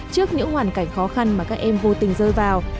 trước những hoàn cảnh khó khăn mà các em vô tình rơi vào